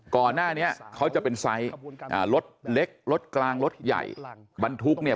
ก่อนหน้านี้เขาจะเป็นไซส์รถเล็กรถกลางรถใหญ่